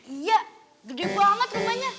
iya gede banget rumahnya